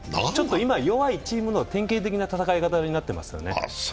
今、弱いチームの典型的な戦い方になってますよね。